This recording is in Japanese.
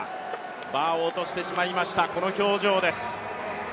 バーを落としてしまいました、この表情です。